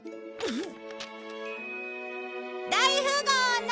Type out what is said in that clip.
うん！